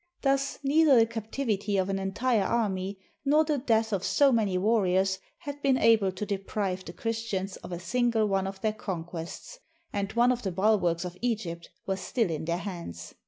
Thus, neither the captivity of an entire army, nor the death of so many warriors, had been able to deprive the Chris tians of a single one of their conquests, and one of the bulwarks of Egypt was still in their hands.